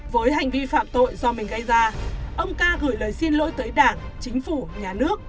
với hành vi phạm tội do mình gây ra ông ca gửi lời xin lỗi tới đảng chính phủ nhà nước